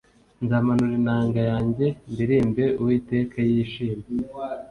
nzamanura inanga yanjye ndirimbe uwiteka yishime